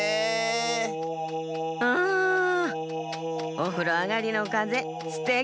おふろあがりのかぜすてき！